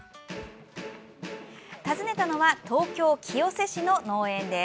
訪ねたのは東京・清瀬市の農園です。